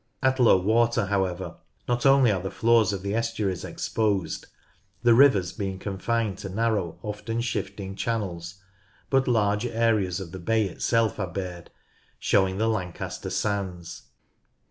At low water, however, not only are the floors of the estuaries exposed, the rivers being confined to narrow, often shifting channels, but large areas of the bay itself are bared, showing the Lancaster Sands.